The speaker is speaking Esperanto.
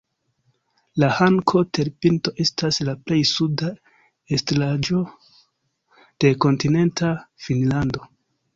La Hanko-terpinto estas la plej suda elstaraĵo de kontinenta Finnlando.